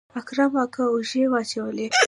اکرم اکا اوږې واچولې.